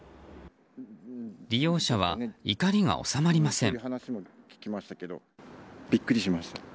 利用者は怒りが収まりません。